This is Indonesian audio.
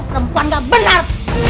perempuan no benar